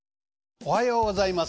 おはようございます。